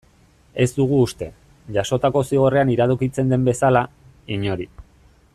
Ez dugu uste, jasotako zigorrean iradokitzen den bezala, inori.